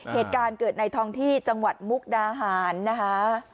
เหตุการณ์เกิดในท้องที่จังหวัดมุกดาหารนะคะ